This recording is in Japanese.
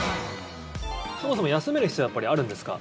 そもそも休める必要はあるんですか？